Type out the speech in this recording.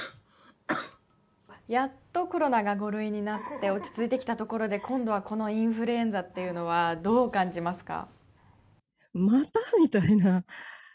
やっとコロナが５類になって落ち着いてきたところで今度はインフルエンザというのはどう感じますか。